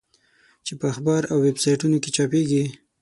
چې په اخبار او ویب سایټونو کې چاپېږي.